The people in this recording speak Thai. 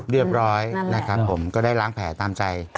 เรียบร้อยนะครับผมก็ได้ล้างแผลตามใจ